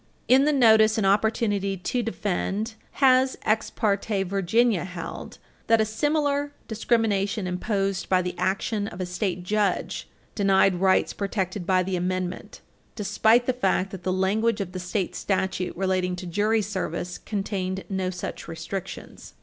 In the same volume of the reports, the Court in Ex parte Virginia, supra, held that a similar discrimination imposed by the action of a state judge denied rights protected by the Amendment, despite the fact that the language of the state statute relating to jury service contained no such restrictions.